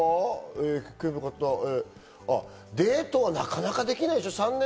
そして、デートはなかなかできないでしょう？